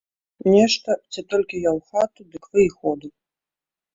Нешта, ці толькі я ў хату, дык вы і ходу.